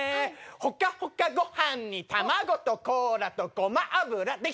ほかほかご飯に卵とコーラとごま油できた。